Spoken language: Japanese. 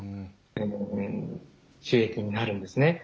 収益になるんですね。